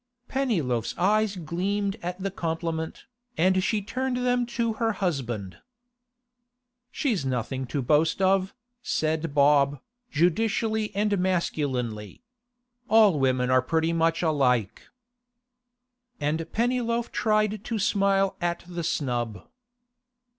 Pennyloaf's eyes gleamed at the compliment, and she turned them to her husband. 'She's nothing to boast of,' said Bob, judicially and masculinely. 'All women are pretty much alike.' And Pennyloaf tried to smile at the snub.